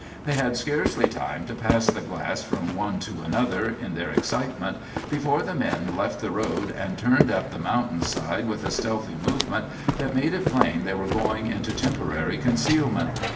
They had scarcely time to pass the glass from one to another, in their excitement, before the men left the road and turned up the mountain side with a stealthy movement that made it plain they were going into temporary concealment.